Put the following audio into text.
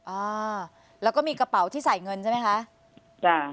อ่าแล้วก็มีกระเป๋าที่ใส่เงินใช่ไหมคะจ้ะ